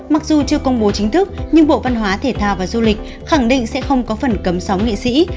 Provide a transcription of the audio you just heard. mặc dù chưa công bố chính thức nhưng bộ văn hóa thể thao và du lịch khẳng định sẽ không có phần cấm sóng nghị sĩ